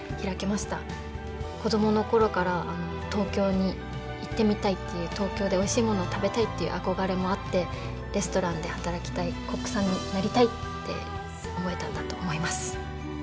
子供の頃から東京に行ってみたいっていう東京でおいしいものを食べたいっていう憧れもあってレストランで働きたいコックさんになりたいって思えたんだと思います。